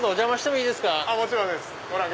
もちろんです。